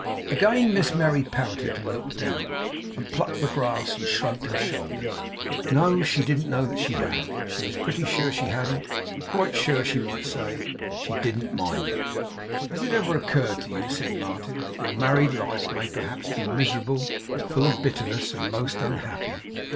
Again Miss Merry pouted, and looked down, and plucked the grass, and shrugged her shoulders. No. She didn't know that she had. She was pretty sure she hadn't. Quite sure, she might say. She 'didn't mind it.' 'Has it ever occurred to you,' said Martin, 'that your married life may perhaps be miserable, full of bitterness, and most unhappy?